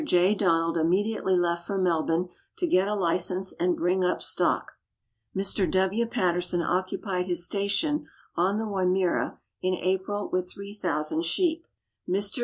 J. Donald immediately left for Melbourne to get a license and bring up stock. Mr. W. Patterson occupied his station on the Wimmera in April with 3,000 sheep. Mr.